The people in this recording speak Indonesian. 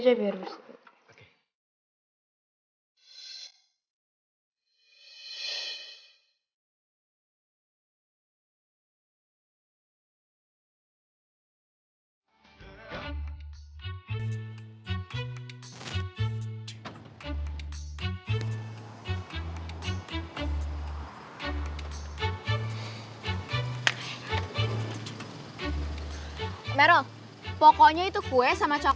ayo cepetan situ kan